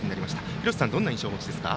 廣瀬さん、どんな印象をお持ちですか？